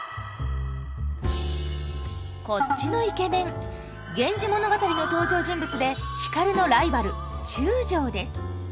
こっちのイケメン「源氏物語」の登場人物で光のライバル中将です。